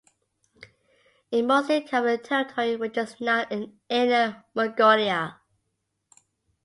It mostly covered territory which is now in Inner Mongolia.